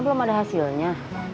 belum ada hasilnya